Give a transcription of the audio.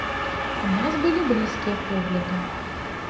У нас былі блізкія погляды.